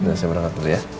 nanti berangkat dulu ya